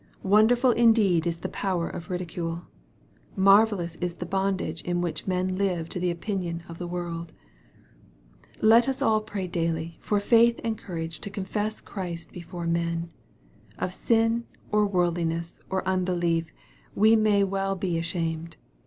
Wonderful indeed is the power of ridicule ! Marvellous is the bondage in which men live to the opinion of the world ! Let us all pray daily for faith and courage to confess Christ before men, Of sin, or worldliness, or unbelief, we may well be ashamed.